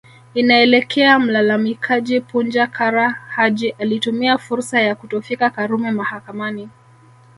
Inaelekea mlalamikaji Punja Kara Haji alitumia fursa ya kutofika Karume mahakamani